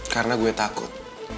karena gue takut